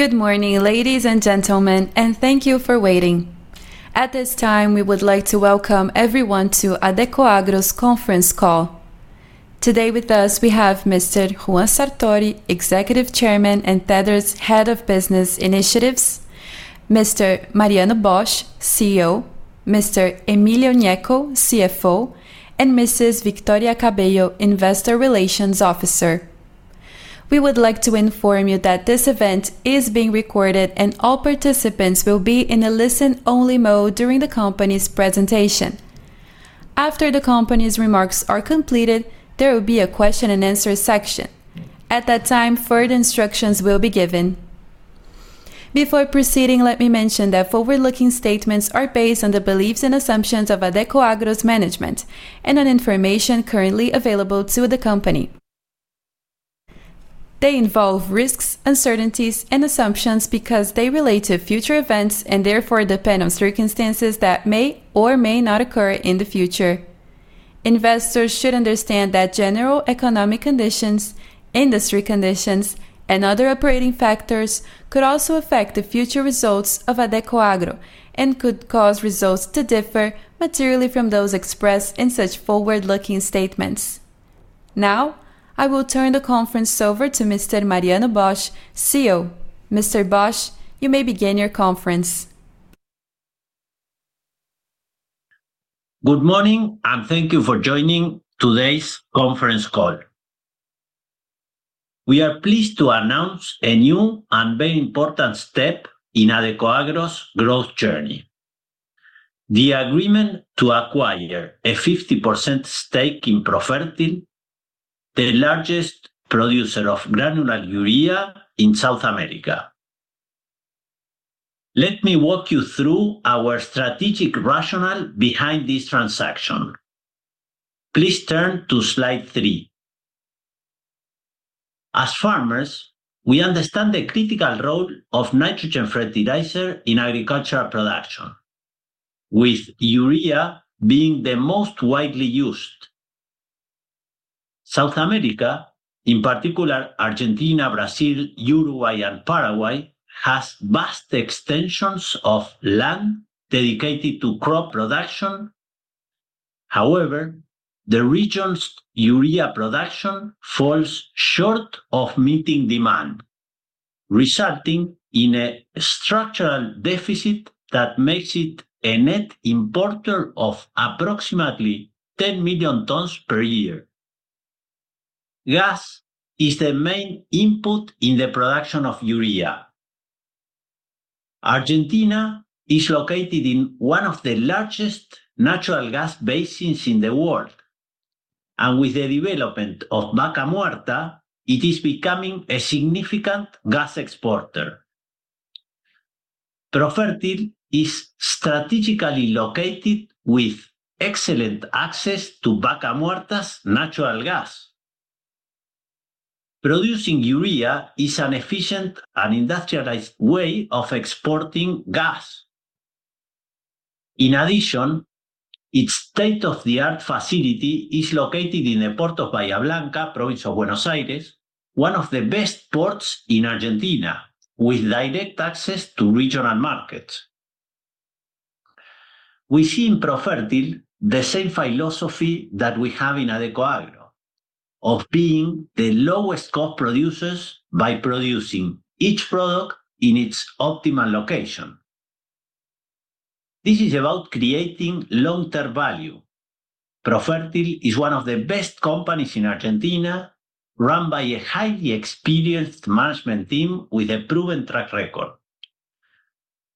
Good morning, ladies and gentlemen, and thank you for waiting. At this time, we would like to welcome everyone to Adecoagro's conference call. Today, with us, we have Mr. Juan José Sartori Piñeyro, Executive Chairman and Tether Investments S.A. de C.V.'s Head of Business Initiatives; Mr. Mariano Bosch, CEO; Mr. Emilio Gnecco, CFO; and Mrs. Victoria Cabello, Investor Relations Officer. We would like to inform you that this event is being recorded, and all participants will be in a listen-only mode during the company's presentation. After the company's remarks are completed, there will be a question and answer section. At that time, further instructions will be given. Before proceeding, let me mention that forward-looking statements are based on the beliefs and assumptions of Adecoagro's management and on information currently available to the company. They involve risks, uncertainties, and assumptions because they relate to future events and therefore depend on circumstances that may or may not occur in the future. Investors should understand that general economic conditions, industry conditions, and other operating factors could also affect the future results of Adecoagro and could cause results to differ materially from those expressed in such forward-looking statements. Now, I will turn the conference over to Mr. Mariano Bosch, CEO. Mr. Bosch: You may begin your conference. Good morning, and thank you for joining today's conference call. We are pleased to announce a new and very important step in Adecoagro's growth journey: the agreement to acquire a 50% stake in Profertil, the largest producer of granular urea in South America. Let me walk you through our strategic rationale behind this transaction. Please turn to slide 3. As farmers, we understand the critical role of nitrogen fertilizer in agricultural production, with urea being the most widely used. South America, in particular Argentina, Brazil, Uruguay, and Paraguay, has vast extensions of land dedicated to crop production. However, the region's urea production falls short of meeting demand, resulting in a structural deficit that makes it a net importer of approximately 10 million tons per year. Gas is the main input in the production of urea. Argentina is located in one of the largest natural gas basins in the world, and with the development of Vaca Muerta, it is becoming a significant gas exporter. Profertil is strategically located, with excellent access to Vaca Muerta's natural gas. Producing urea is an efficient and industrialized way of exporting gas. In addition, its state-of-the-art facility is located in the port of Bahía Blanca, province of Buenos Aires, one of the best ports in Argentina, with direct access to regional markets. We see in Profertil the same philosophy that we have in Adecoagro, of being the lowest cost producers by producing each product in its optimal location. This is about creating long-term value. Profertil is one of the best companies in Argentina, run by a highly experienced management team with a proven track record.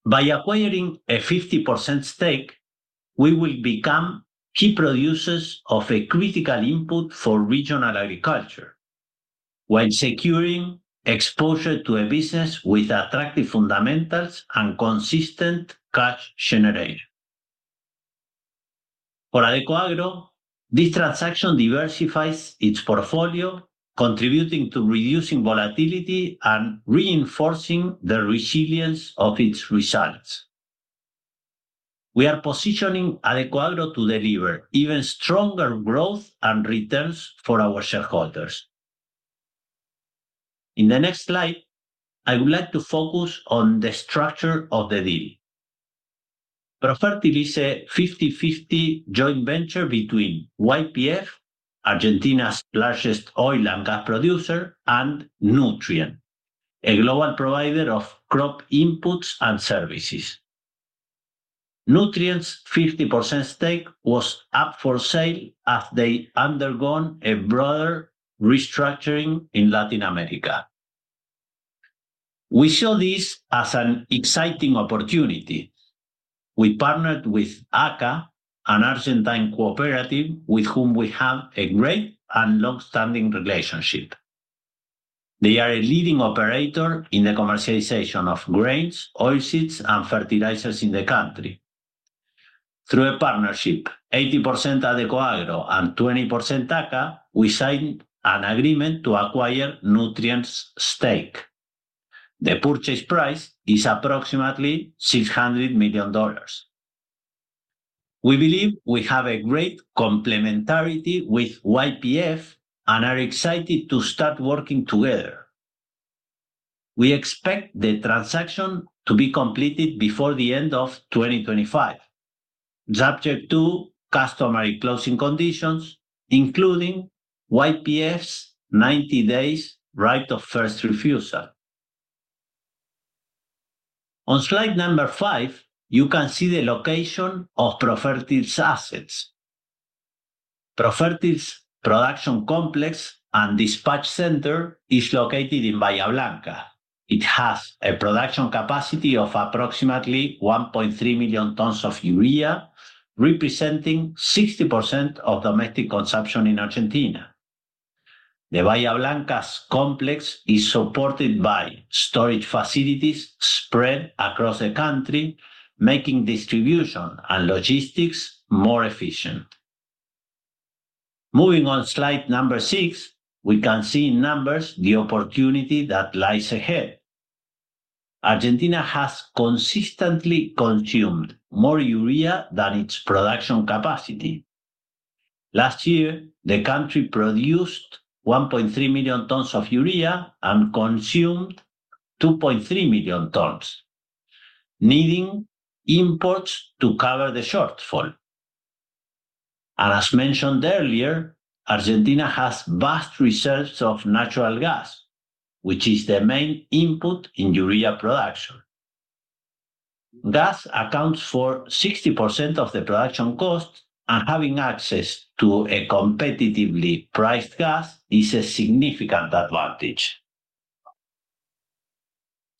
By acquiring a 50% stake, we will become key producers of a critical input for regional agriculture, while securing exposure to a business with attractive fundamentals and consistent cash generation. For Adecoagro, this transaction diversifies its portfolio, contributing to reducing volatility and reinforcing the resilience of its results. We are positioning Adecoagro to deliver even stronger growth and returns for our shareholders. In the next slide, I would like to focus on the structure of the deal. Profertil is a 50/50 joint venture between YPF, Argentina's largest oil and gas producer, and Nutrien, a global provider of crop inputs and services. Nutrien's 50% stake was up for sale after they underwent a broader restructuring in Latin America. We saw this as an exciting opportunity. We partnered with ACA, an Argentine cooperative with whom we have a great and long-standing relationship. They are a leading operator in the commercialization of grains, oilseeds, and fertilizers in the country. Through a partnership, 80% Adecoagro and 20% ACA, we signed an agreement to acquire Nutrien's stake. The purchase price is approximately $600 million. We believe we have a great complementarity with YPF and are excited to start working together. We expect the transaction to be completed before the end of 2025, subject to customary closing conditions, including YPF's 90-day right of first refusal. On slide number 5, you can see the location of Profertil's assets. Profertil's production complex and dispatch center are located in Bahía Blanca. It has a production capacity of approximately 1.3 million tons of urea, representing 60% of domestic consumption in Argentina. The Bahía Blanca complex is supported by storage facilities spread across the country, making distribution and logistics more efficient. Moving on to slide number 6, we can see in numbers the opportunity that lies ahead. Argentina has consistently consumed more urea than its production capacity. Last year, the country produced 1.3 million tons of urea and consumed 2.3 million tons, needing imports to cover the shortfall. As mentioned earlier, Argentina has vast reserves of natural gas, which is the main input in urea production. Gas accounts for 60% of the production cost, and having access to a competitively priced gas is a significant advantage.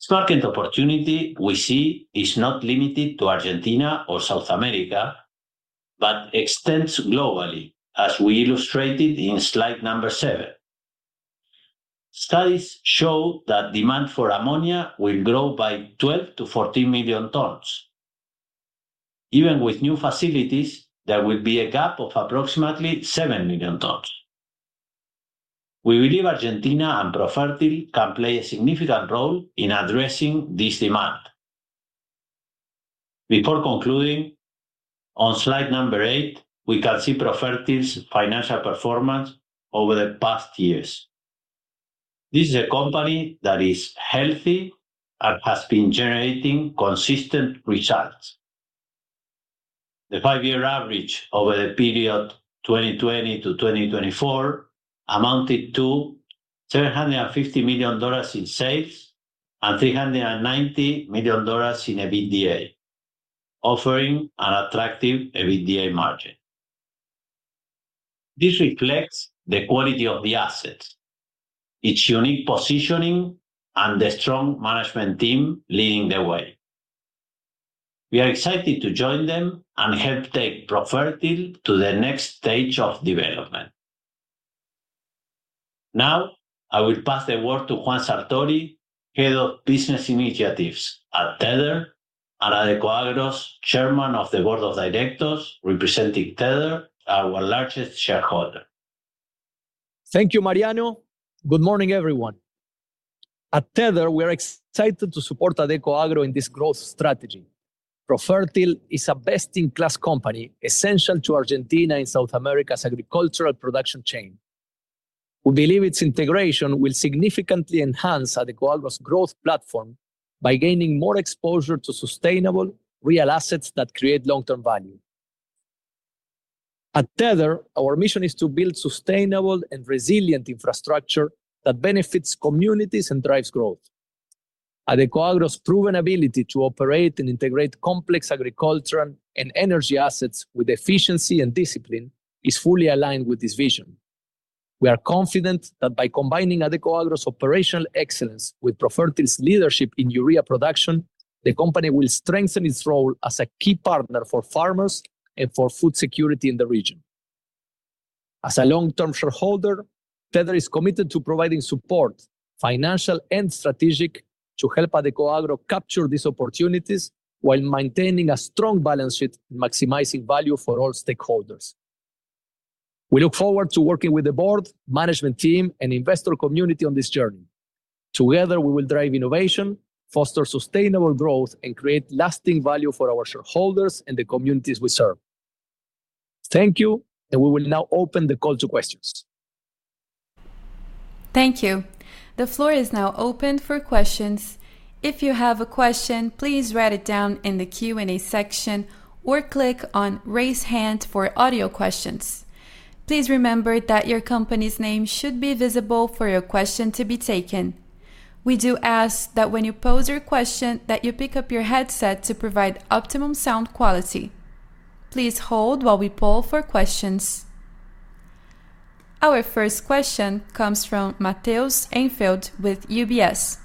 The sparking opportunity we see is not limited to Argentina or South America, but extends globally, as we illustrated in slide number 7. Studies show that demand for ammonia will grow by 12 to 14 million tons. Even with new facilities, there will be a gap of approximately 7 million tons. We believe Argentina and Profertil can play a significant role in addressing this demand. Before concluding, on slide number 8, we can see Profertil's financial performance over the past years. This is a company that is healthy and has been generating consistent results. The five-year average over the period 2020 to 2024 amounted to $750 million in sales and $390 million in EBITDA, offering an attractive EBITDA margin. This reflects the quality of the assets, its unique positioning, and the strong management team leading the way. We are excited to join them and help take Profertil to the next stage of development. Now, I will pass the word to Juan José Sartori Piñeyro, Head of Business Initiatives at Tether Investments S.A. de C.V., and Adecoagro S.A.'s Executive Chairman of the Board of Directors, representing Tether, our largest shareholder. Thank you, Mariano. Good morning, everyone. At Tether, we are excited to support Adecoagro in this growth strategy. Profertil is a best-in-class company, essential to Argentina and South America's agricultural production chain. We believe its integration will significantly enhance Adecoagro's growth platform by gaining more exposure to sustainable, real assets that create long-term value. At Tether, our mission is to build sustainable and resilient infrastructure that benefits communities and drives growth. Adecoagro's proven ability to operate and integrate complex agricultural and energy assets with efficiency and discipline is fully aligned with this vision. We are confident that by combining Adecoagro's operational excellence with Profertil's leadership in urea production, the company will strengthen its role as a key partner for farmers and for food security in the region. As a long-term shareholder, Tether is committed to providing support, financial and strategic, to help Adecoagro capture these opportunities while maintaining a strong balance sheet and maximizing value for all stakeholders. We look forward to working with the board, management team, and investor community on this journey. Together, we will drive innovation, foster sustainable growth, and create lasting value for our shareholders and the communities we serve. Thank you, and we will now open the call to questions. Thank you. The floor is now open for questions. If you have a question, please write it down in the Q&A section or click on "Raise Hand" for audio questions. Please remember that your company's name should be visible for your question to be taken. We do ask that when you pose your question, you pick up your headset to provide optimum sound quality. Please hold while we poll for questions. Our first question comes from Matheus Einfeld with UBS.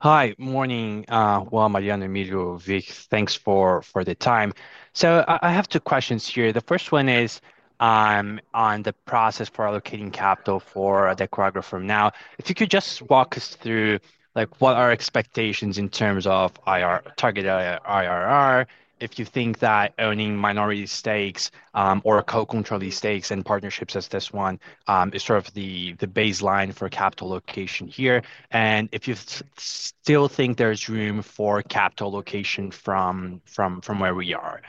Hi, good morning. Mariano and Emilio, thanks for the time. I have two questions here. The first one is on the process for allocating capital for Adecoagro from now. If you could just walk us through what are our expectations in terms of target IRR? If you think that owning minority stakes or co-controlling stakes and partnerships as this one is sort of the baseline for capital allocation here, and if you still think there's room for capital allocation from where we are.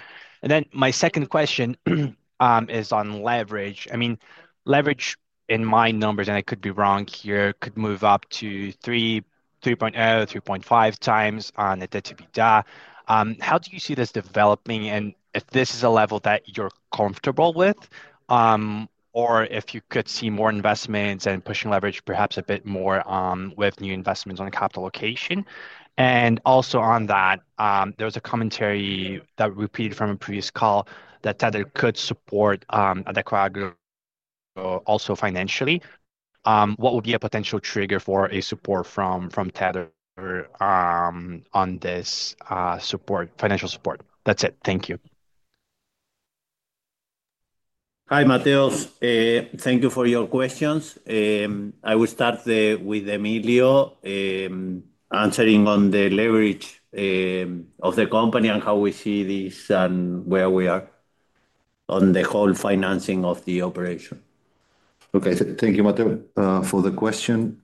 My second question is on leverage. I mean, leverage in my numbers, and I could be wrong here, could move up to 3.0, 3.5 times on the debt-to-PBR. How do you see this developing? If this is a level that you're comfortable with, or if you could see more investments and pushing leverage perhaps a bit more with new investments on capital allocation? Also on that, there was a commentary that repeated from a previous call that Tether could support Adecoagro also financially. What would be a potential trigger for a support from Tether on this financial support? That's it. Thank you. Hi, Matheus. Thank you for your questions. I will start with Emilio answering on the leverage of the company and how we see this and where we are on the whole financing of the operation. Okay, thank you, Matheus, for the question.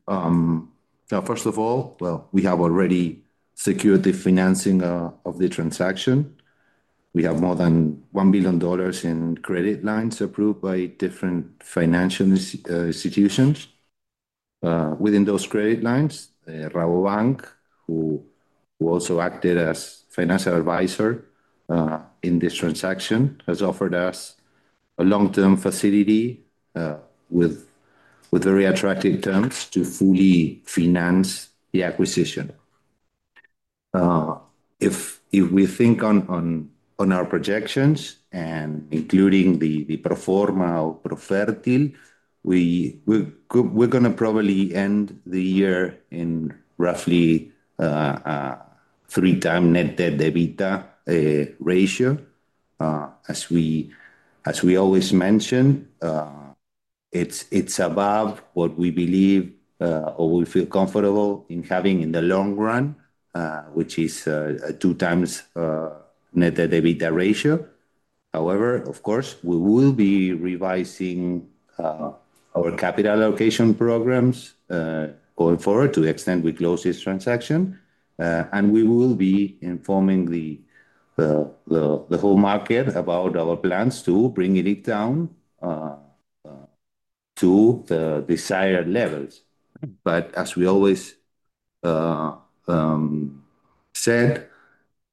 First of all, we have already secured the financing of the transaction. We have more than $1 billion in credit lines approved by different financial institutions. Within those credit lines, Rabobank, who also acted as a financial advisor in this transaction, has offered us a long-term facility with very attractive terms to fully finance the acquisition. If we think on our projections and including the proforma of Profertil S.A., we're going to probably end the year in roughly a three-times net debt-to-PBR ratio. As we always mention, it's above what we believe or we feel comfortable in having in the long run, which is a two-times net debt-to-PBR ratio. However, of course, we will be revising our capital allocation programs going forward to the extent we close this transaction, and we will be informing the whole market about our plans to bring it down to the desired levels. As we always said,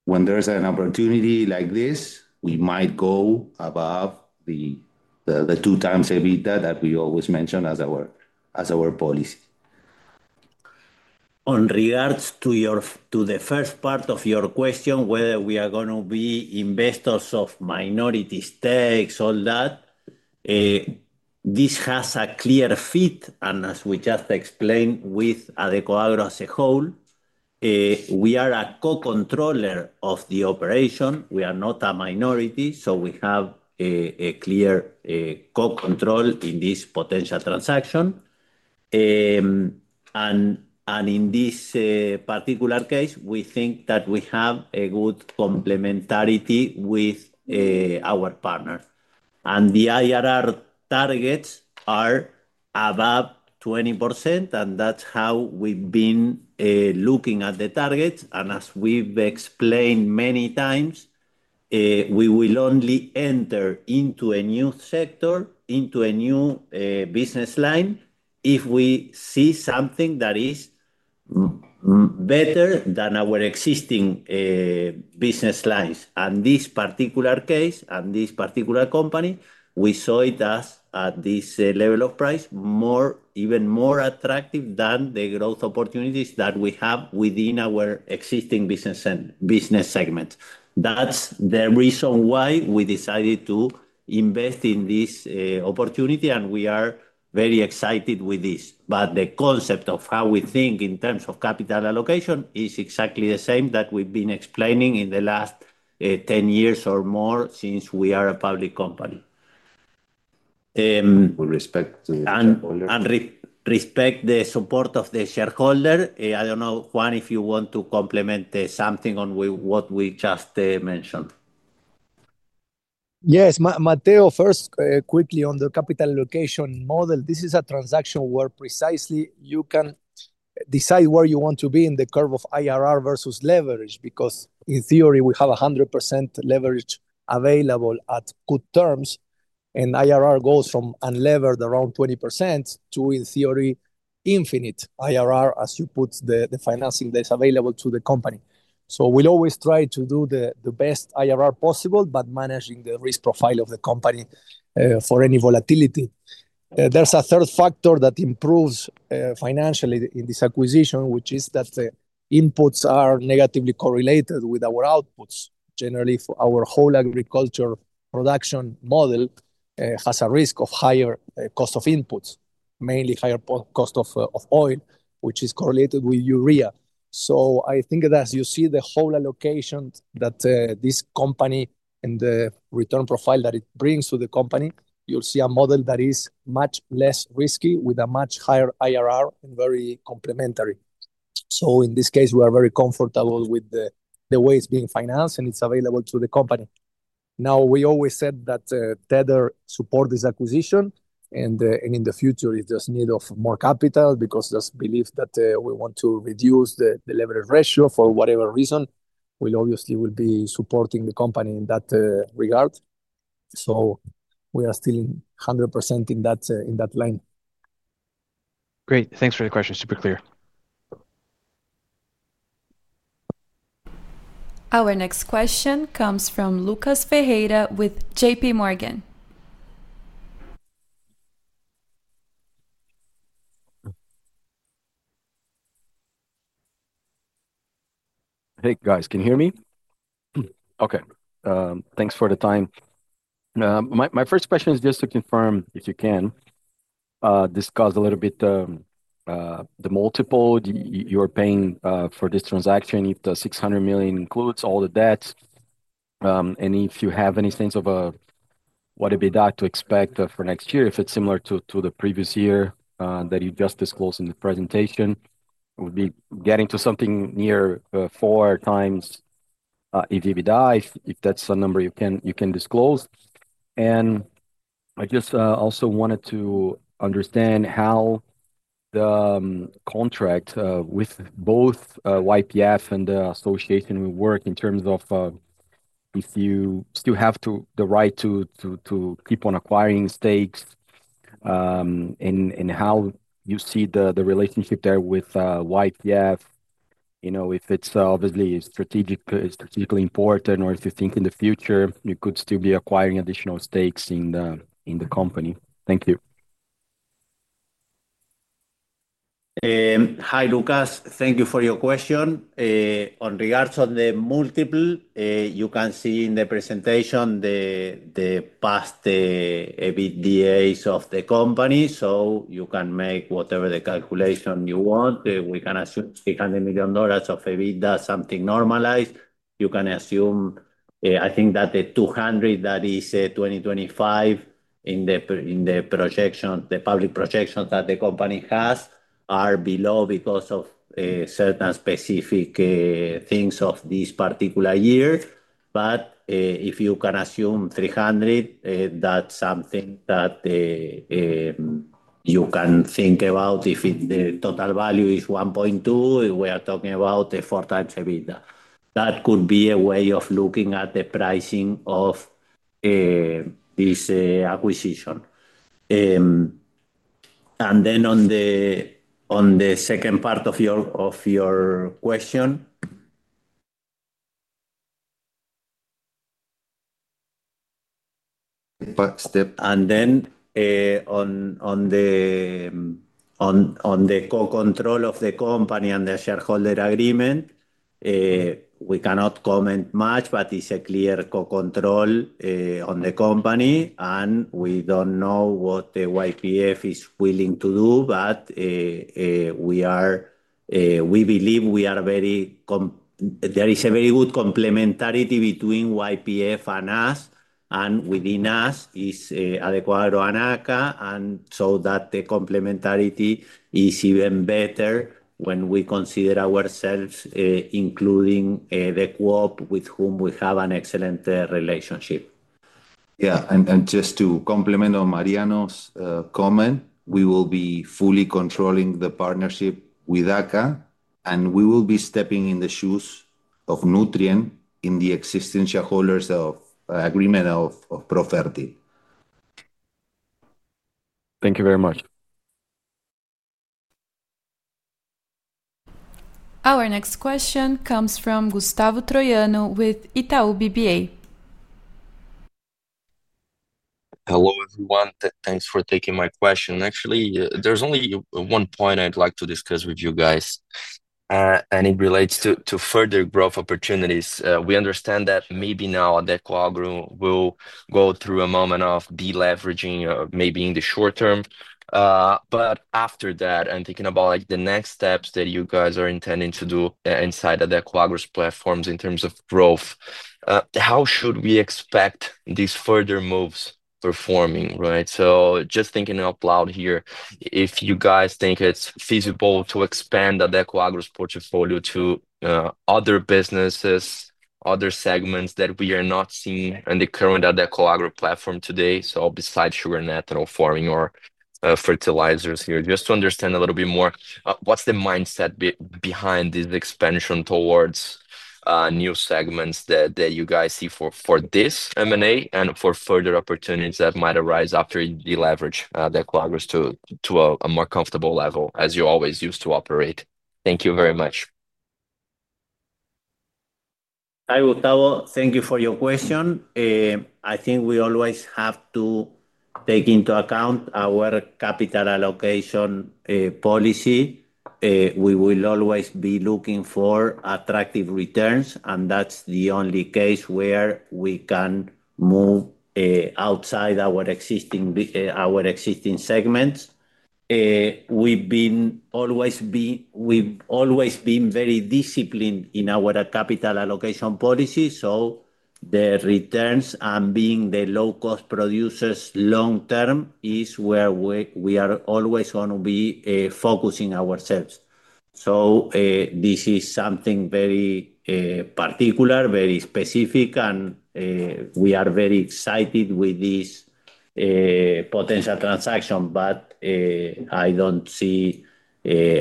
when there's an opportunity like this, we might go above the two-times PBR that we always mention as our policy. On regards to the first part of your question, whether we are going to be investors of minority stakes, all that, this has a clear fit. As we just explained with Adecoagro as a whole, we are a co-controller of the operation. We are not a minority, so we have a clear co-control in this potential transaction. In this particular case, we think that we have a good complementarity with our partner. The IRR targets are above 20%, and that's how we've been looking at the targets. As we've explained many times, we will only enter into a new sector, into a new business line, if we see something that is better than our existing business lines. In this particular case and this particular company, we saw it as, at this level of price, even more attractive than the growth opportunities that we have within our existing business segment. That's the reason why we decided to invest in this opportunity, and we are very excited with this. The concept of how we think in terms of capital allocation is exactly the same that we've been explaining in the last 10 years or more since we are a public company. With respect to the. With respect to the support of the shareholder, I don't know, Juan, if you want to complement something on what we just mentioned. Yes, Matheus, first quickly on the capital allocation model. This is a transaction where precisely you can decide where you want to be in the curve of IRR versus leverage because in theory, we have 100% leverage available at good terms, and IRR goes from unlevered around 20% to, in theory, infinite IRR as you put the financing that is available to the company. We'll always try to do the best IRR possible, but managing the risk profile of the company for any volatility. There's a third factor that improves financially in this acquisition, which is that inputs are negatively correlated with our outputs. Generally, our whole agriculture production model has a risk of higher cost of inputs, mainly higher cost of oil, which is correlated with urea. I think that as you see the whole allocation that this company and the return profile that it brings to the company, you'll see a model that is much less risky with a much higher IRR and very complementary. In this case, we are very comfortable with the way it's being financed and it's available to the company. We always said that Tether supports this acquisition, and in the future, it's just in need of more capital because just believe that we want to reduce the leverage ratio for whatever reason. We'll obviously be supporting the company in that regard. We are still 100% in that line. Great, thanks for the question. Super clear. Our next question comes from Lucas Pereira with J.P. Morgan. Hey, guys, can you hear me? Okay, thanks for the time. My first question is just to confirm, if you can, discuss a little bit the multiple you're paying for this transaction, if the $600 million includes all the debts, and if you have any sense of what EBITDA to expect for next year, if it's similar to the previous year that you just disclosed in the presentation. It would be getting to something near four times EBITDA, if that's a number you can disclose. I just also wanted to understand how the contract with both YPF and the association will work in terms of if you still have the right to keep on acquiring stakes and how you see the relationship there with YPF. You know, if it's obviously strategically important or if you think in the future, you could still be acquiring additional stakes in the company. Thank you. Hi, Lucas. Thank you for your question. In regards to the multiple, you can see in the presentation the past EBITDA of the company. You can make whatever the calculation you want. We can assume $600 million of EBITDA, something normalized. You can assume, I think, that the 200 that is 2025 in the projection, the public projections that the company has are below because of certain specific things of this particular year. If you can assume 300, that's something that you can think about. If the total value is $1.2 billion, we are talking about four times EBITDA. That could be a way of looking at the pricing of this acquisition. On the second part of your question. On the co-control of the company and the shareholder agreement, we cannot comment much, but it's a clear co-control on the company. We don't know what YPF is willing to do, but we believe we are very complementary. There is a very good complementarity between YPF and us, and within us is Adecoagro and ACA. The complementarity is even better when we consider ourselves including the co-op with whom we have an excellent relationship. Yeah, and just to complement on Mariano's comment, we will be fully controlling the partnership with ACA, and we will be stepping in the shoes of Nutrien in the existing shareholders' agreement of Profertil. Thank you very much. Our next question comes from Gustavo Troyano with Itaú BBA. Hello, Juan. Thanks for taking my question. Actually, there's only one point I'd like to discuss with you guys, and it relates to further growth opportunities. We understand that maybe now Adecoagro will go through a moment of deleveraging, maybe in the short term. After that, I'm thinking about the next steps that you guys are intending to do inside Adecoagro's platforms in terms of growth. How should we expect these further moves performing? Right? Just thinking out loud here, if you guys think it's feasible to expand Adecoagro's portfolio to other businesses, other segments that we are not seeing in the current Adecoagro platform today, besides sugar, natural farming, or fertilizers here, just to understand a little bit more, what's the mindset behind this expansion towards new segments that you guys see for this M&A and for further opportunities that might arise after you deleverage Adecoagro to a more comfortable level, as you always used to operate? Thank you very much. Hi, Gustavo. Thank you for your question. I think we always have to take into account our capital allocation policy. We will always be looking for attractive returns, and that's the only case where we can move outside our existing segments. We've always been very disciplined in our capital allocation policy, so the returns and being the low-cost producers long-term is where we are always going to be focusing ourselves. This is something very particular, very specific, and we are very excited with this potential transaction. I don't see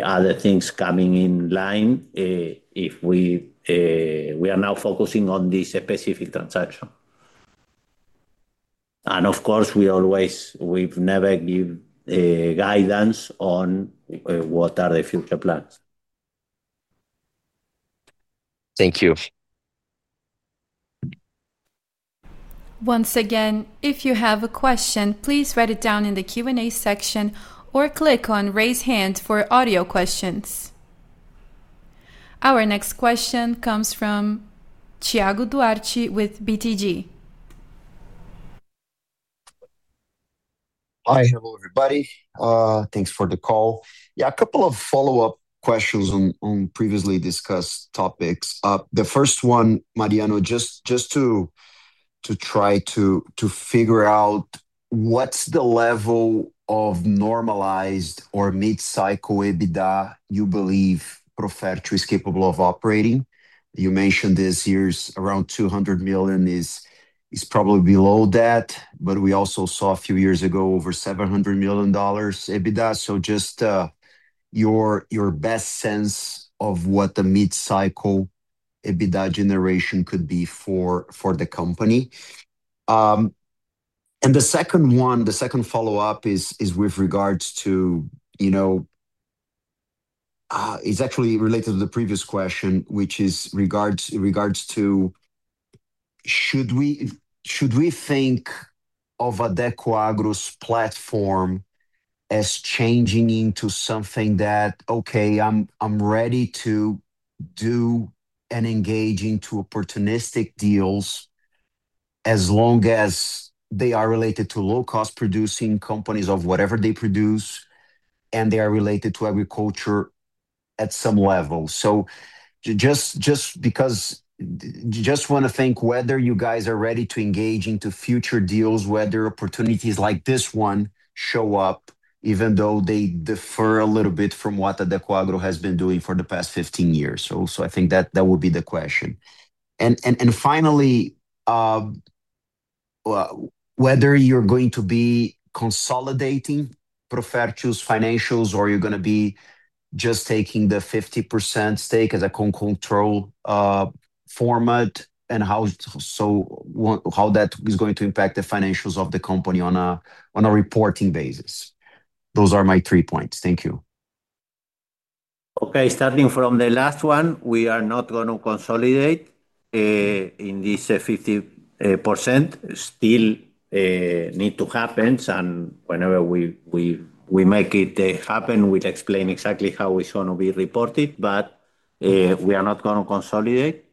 other things coming in line if we are now focusing on this specific transaction. Of course, we've never given guidance on what are the future plans. Thank you. Once again, if you have a question, please write it down in the Q&A section or click on "Raise Hand" for audio questions. Our next question comes from Thiago Duarte with BTG. Hi, hello, everybody. Thanks for the call. Yeah, a couple of follow-up questions on previously discussed topics. The first one, Mariano, just to try to figure out what's the level of normalized or mid-cycle EBITDA you believe Profertil is capable of operating. You mentioned this year's around $200 million is probably below that, but we also saw a few years ago over $700 million EBITDA. Just your best sense of what the mid-cycle EBITDA generation could be for the company. The second one, the second follow-up is with regards to, you know, it's actually related to the previous question, which is in regards to, should we think of Adecoagro's platform as changing into something that, okay, I'm ready to do and engage into opportunistic deals as long as they are related to low-cost producing companies of whatever they produce and they are related to agriculture at some level. Just because you just want to think whether you guys are ready to engage into future deals, whether opportunities like this one show up, even though they differ a little bit from what Adecoagro has been doing for the past 15 years. I think that that would be the question. Finally, whether you're going to be consolidating Profertil's financials, or you're going to be just taking the 50% stake as a con control format and how that is going to impact the financials of the company on a reporting basis. Those are my three points. Thank you. Okay, starting from the last one, we are not going to consolidate in this 50%. Still need to happen, and whenever we make it happen, we'll explain exactly how it's going to be reported, but we are not going to consolidate.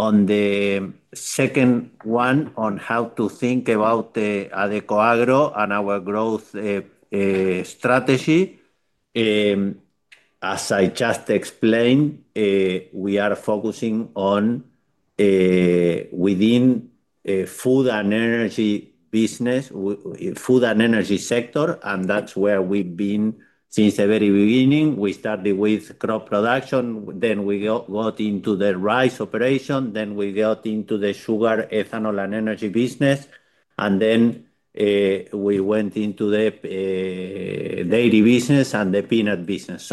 On the second one, on how to think about Adecoagro and our growth strategy, as I just explained, we are focusing on within the food and energy business, food and energy sector, and that's where we've been since the very beginning. We started with crop production, then we got into the rice operation, then we got into the sugar, ethanol, and energy business, and then we went into the dairy business and the peanut business.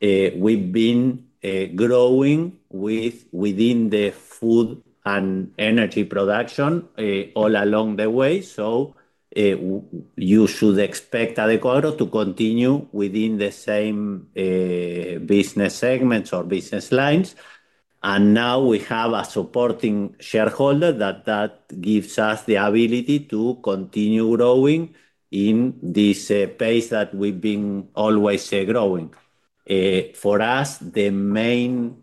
We've been growing within the food and energy production all along the way. You should expect Adecoagro to continue within the same business segments or business lines. Now we have a supporting shareholder that gives us the ability to continue growing in this pace that we've been always growing. For us, the main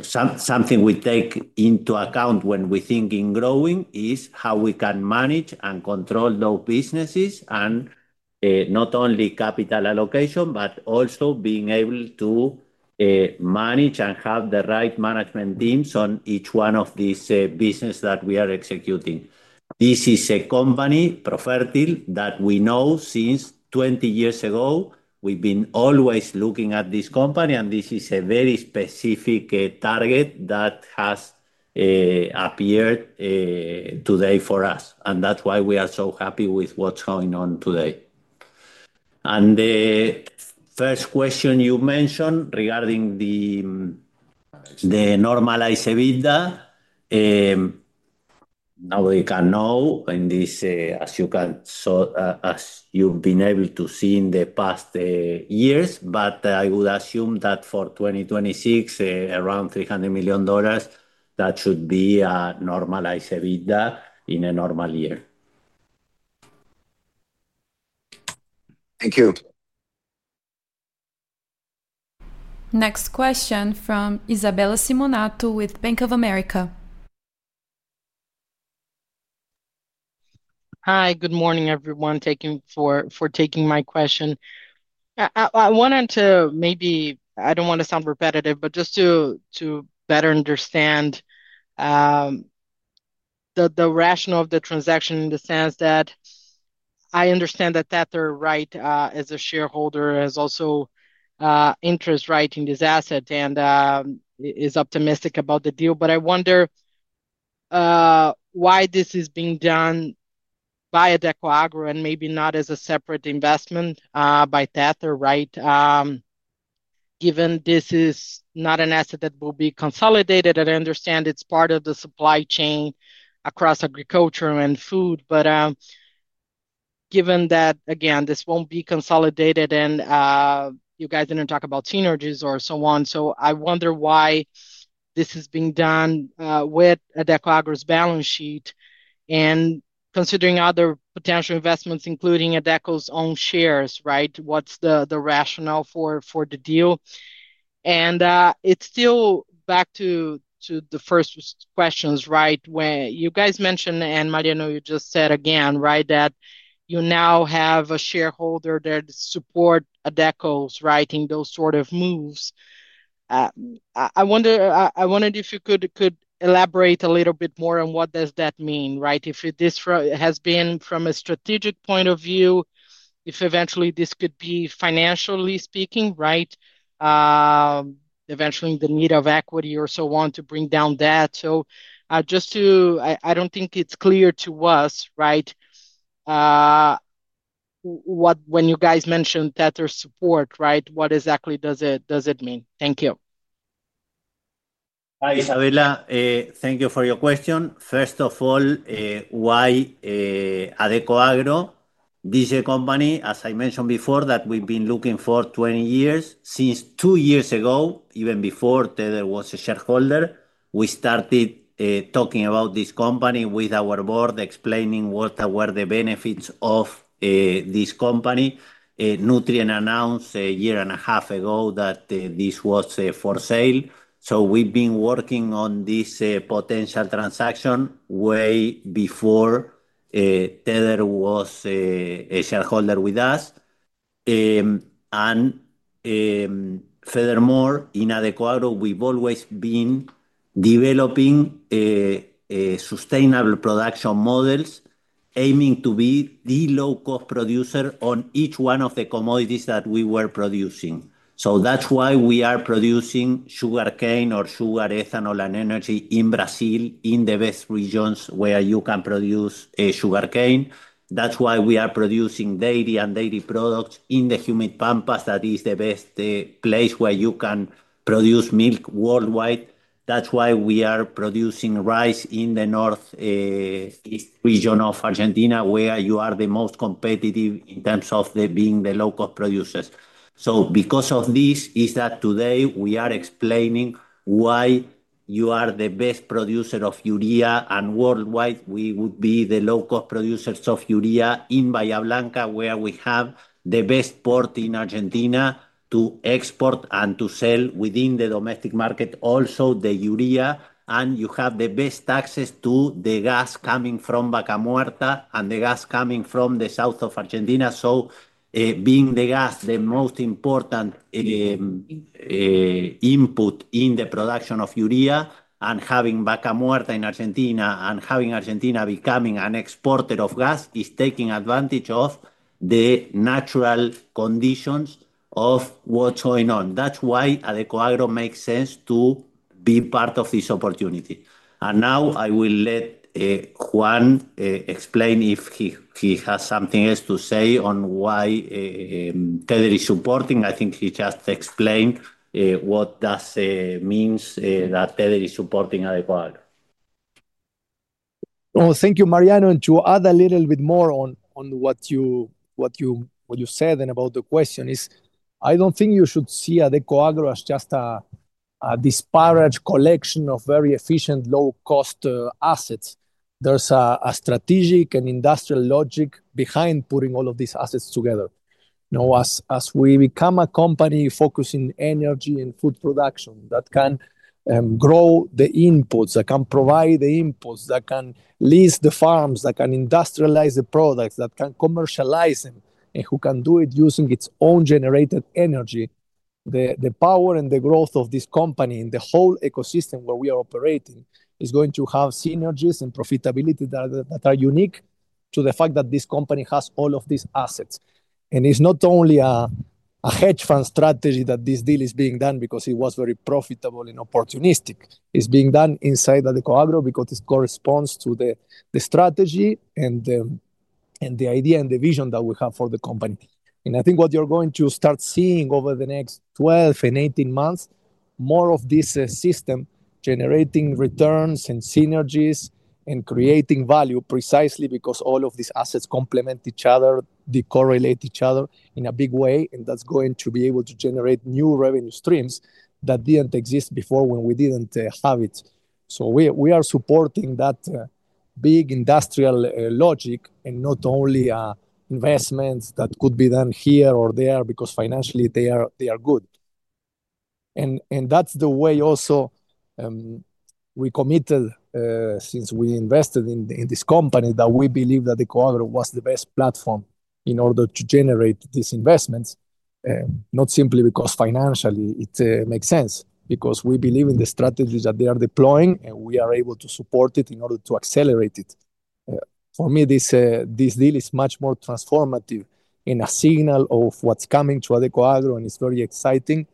something we take into account when we think in growing is how we can manage and control those businesses, and not only capital allocation, but also being able to manage and have the right management teams on each one of these businesses that we are executing. This is a company, Profertil, that we know since 20 years ago. We've been always looking at this company, and this is a very specific target that has appeared today for us. That's why we are so happy with what's going on today. The first question you mentioned regarding the normalized EBITDA, how we can know in this, as you've been able to see in the past years, but I would assume that for 2026, around $300 million, that should be a normalized EBITDA in a normal year. Thank you. Next question from Isabella Simonato with Bank of America. Hi, good morning, everyone. Thank you for taking my question. I wanted to maybe, I don't want to sound repetitive, but just to better understand the rationale of the transaction in the sense that I understand that Tether, right, as a shareholder, has also interest in this asset and is optimistic about the deal. I wonder why this is being done by Adecoagro and maybe not as a separate investment by Tether, right, given this is not an asset that will be consolidated. I understand it's part of the supply chain across agriculture and food. Given that, again, this won't be consolidated and you guys didn't talk about synergies or so on, I wonder why this is being done with Adecoagro's balance sheet and considering other potential investments, including Adecoagro's own shares, right? What's the rationale for the deal? It's still back to the first questions, right? When you guys mentioned, and Mariano, you just said again, right, that you now have a shareholder that supports Adecoagro in those sort of moves. I wondered if you could elaborate a little bit more on what does that mean, right? If this has been from a strategic point of view, if eventually this could be financially speaking, right, eventually in the need of equity or so on to bring down debt. Just to, I don't think it's clear to us, right, when you guys mentioned Tether's support, right, what exactly does it mean? Thank you. Hi, Isabella. Thank you for your question. First of all, why Adecoagro? This is a company, as I mentioned before, that we've been looking for 20 years. Since two years ago, even before Tether was a shareholder, we started talking about this company with our board, explaining what were the benefits of this company. Nutrien announced a year and a half ago that this was for sale. We've been working on this potential transaction way before Tether was a shareholder with us. Furthermore, in Adecoagro, we've always been developing sustainable production models, aiming to be the low-cost producer on each one of the commodities that we were producing. That's why we are producing sugar cane or sugar, ethanol, and energy in Brazil, in the best regions where you can produce sugar cane. That's why we are producing dairy and dairy products in the humid pampas. That is the best place where you can produce milk worldwide. That's why we are producing rice in the north region of Argentina, where you are the most competitive in terms of being the low-cost producers. Because of this, today we are explaining why you are the best producer of urea, and worldwide, we would be the low-cost producers of urea in Bahía Blanca, where we have the best port in Argentina to export and to sell within the domestic market, also the urea. You have the best access to the gas coming from Vaca Muerta and the gas coming from the south of Argentina. Being the gas, the most important input in the production of urea, and having Vaca Muerta in Argentina and having Argentina becoming an exporter of gas is taking advantage of the natural conditions of what's going on. That's why Adecoagro makes sense to be part of this opportunity. Now I will let Juan explain if he has something else to say on why Tether is supporting. I think he just explained what that means, that Tether is supporting Adecoagro. Thank you, Mariano. To add a little bit more on what you said and about the question, I don't think you should see Adecoagro as just a disparate collection of very efficient, low-cost assets. There is a strategic and industrial logic behind putting all of these assets together. As we become a company focused on energy and food production that can grow the inputs, that can provide the inputs, that can lease the farms, that can industrialize the products, that can commercialize them, and who can do it using its own generated energy, the power and the growth of this company in the whole ecosystem where we are operating is going to have synergies and profitability that are unique to the fact that this company has all of these assets. It is not only a hedge fund strategy that this deal is being done because it was very profitable and opportunistic. It is being done inside Adecoagro because it corresponds to the strategy and the idea and the vision that we have for the company. I think what you're going to start seeing over the next 12 and 18 months is more of this system generating returns and synergies and creating value precisely because all of these assets complement each other, they correlate each other in a big way, and that is going to be able to generate new revenue streams that didn't exist before when we didn't have it. We are supporting that big industrial logic and not only investments that could be done here or there because financially they are good. That is the way also we committed since we invested in this company that we believe that Adecoagro was the best platform in order to generate these investments, not simply because financially it makes sense, but because we believe in the strategies that they are deploying and we are able to support it in order to accelerate it. For me, this deal is much more transformative and a signal of what's coming to Adecoagro, and it's very exciting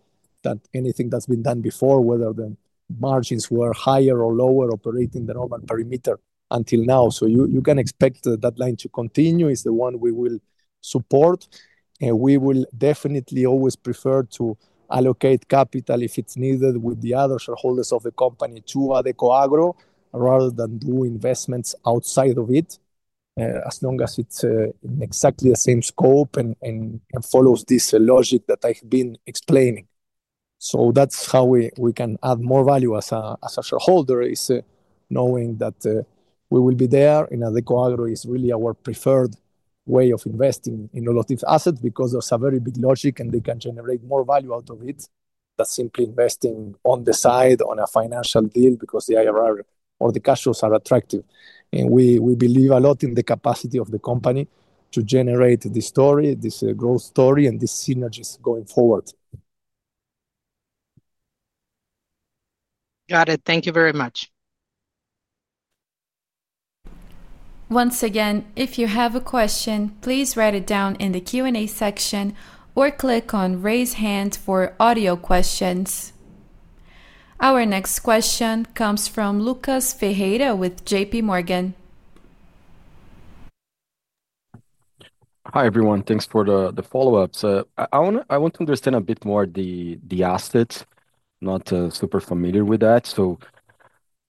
than anything that's been done before, whether the margins were higher or lower, operating the normal perimeter until now. You can expect that line to continue. It's the one we will support. We will definitely always prefer to allocate capital if it's needed with the other shareholders of the company to Adecoagro rather than do investments outside of it, as long as it's in exactly the same scope and follows this logic that I've been explaining. That is how we can add more value as a shareholder, is knowing that we will be there, and Adecoagro is really our preferred way of investing in all of these assets because there's a very big logic and they can generate more value out of it than simply investing on the side on a financial deal because the IRR or the cash flows are attractive. We believe a lot in the capacity of the company to generate this story, this growth story, and these synergies going forward. Got it. Thank you very much. Once again, if you have a question, please write it down in the Q&A section or click on "Raise Hand" for audio questions. Our next question comes from Lucas Pereira with J.P. Morgan. Hi, everyone. Thanks for the follow-ups. I want to understand a bit more of the assets. I'm not super familiar with that.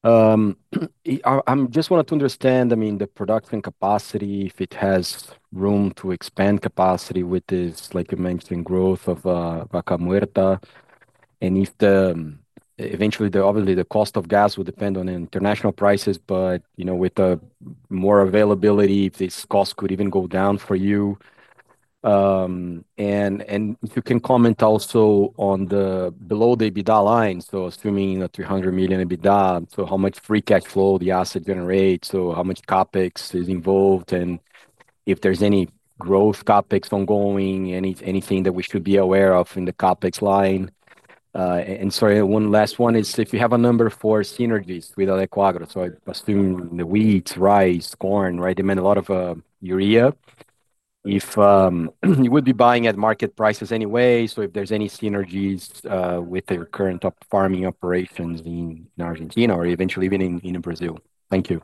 I just wanted to understand, I mean, the production capacity, if it has room to expand capacity with this, like you mentioned, growth of Vaca Muerta. If eventually, obviously, the cost of gas will depend on international prices, but you know, with more availability, if this cost could even go down for you. If you can comment also on the below the EBITDA line, so assuming a $300 million EBITDA, how much free cash flow the asset generates, how much CapEx is involved, and if there's any growth CapEx ongoing, anything that we should be aware of in the CapEx line. Sorry, one last one is if you have a number for synergies with Adecoagro. I assume the wheat, rice, corn, right? They meant a lot of urea. If you would be buying at market prices anyway, if there's any synergies with their current farming operations in Argentina or eventually even in Brazil. Thank you.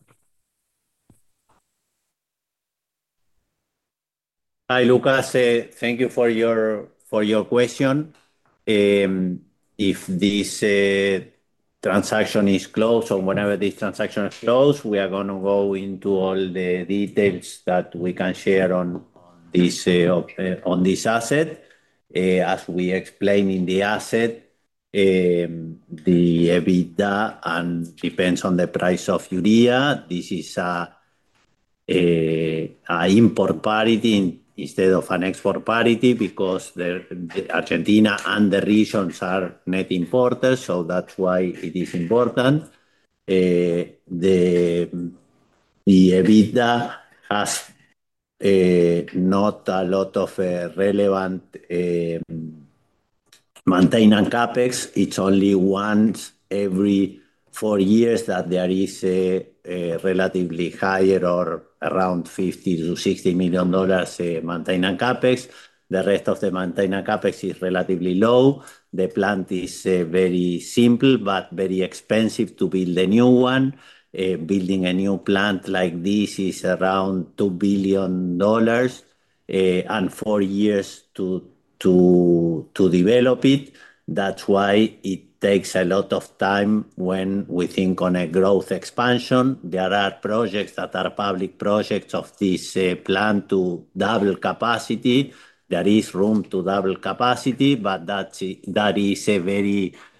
Hi, Lucas. Thank you for your question. If this transaction is closed, whenever this transaction is closed, we are going to go into all the details that we can share on this asset. As we explained in the asset, the EBITDA depends on the price of urea. This is an import parity instead of an export parity because Argentina and the regions are net importers, so that's why it is important. The EBITDA has not a lot of relevant maintenance and CapEx. It's only once every four years that there is a relatively higher or around $50 to $60 million maintenance and CapEx. The rest of the maintenance and CapEx is relatively low. The plant is very simple, but very expensive to build a new one. Building a new plant like this is around $2 billion and four years to develop it. That takes a lot of time when we think on a growth expansion. There are projects that are public projects of this plant to double capacity. There is room to double capacity, but that is a very important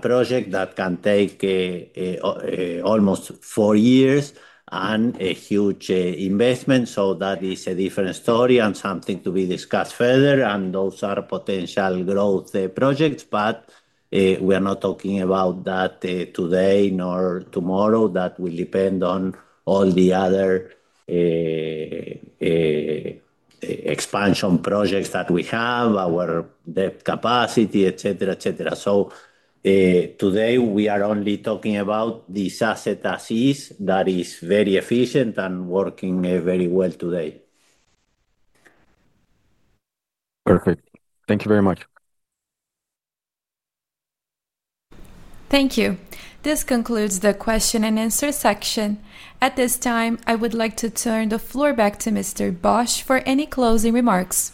project that can take almost four years and a huge investment. That is a different story and something to be discussed further. Those are potential growth projects, but we are not talking about that today nor tomorrow. That will depend on all the other expansion projects that we have, our debt capacity, etc., etc. Today we are only talking about this asset as is that is very efficient and working very well today. Perfect. Thank you very much. Thank you. This concludes the question and answer section. At this time, I would like to turn the floor back to Mr. Bosch for any closing remarks.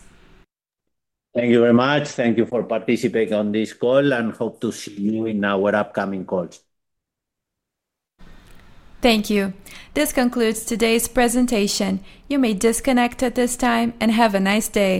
Thank you very much. Thank you for participating on this call, and hope to see you in our upcoming calls. Thank you. This concludes today's presentation. You may disconnect at this time and have a nice day.